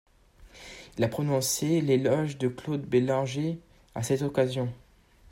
Il a prononcé l'éloge de Claude Bellanger à cette occasion.